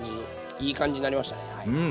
いい感じになりましたねはい。